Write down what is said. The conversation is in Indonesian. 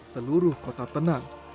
seluruh kota tenang